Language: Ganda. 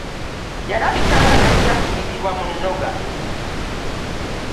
Yalabika nga tajja kunyigirwa mu nnoga.